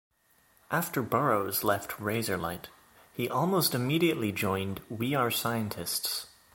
After Burrows left Razorlight, he almost immediately joined We Are Scientists.